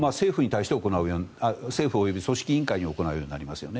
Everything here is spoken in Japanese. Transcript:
それは政府及び組織委員会に行うようになりますよね。